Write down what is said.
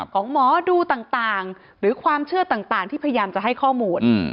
ของหมอดูต่างหรือความเชื่อต่างที่พยายามจะให้ข้อมูล